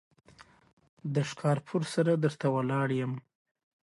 د ښکارپورۍ سره در ته ولاړ يم.